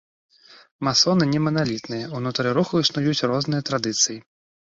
Масоны не маналітныя, унутры руху існуюць розныя традыцыі.